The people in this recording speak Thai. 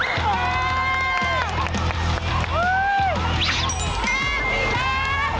อีกแล้ว